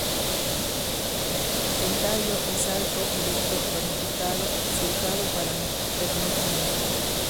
El tallo es alto, erecto, ramificado y surcado pero no espinoso.